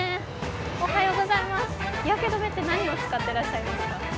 日焼け止めって何を使ってらっしゃいますか？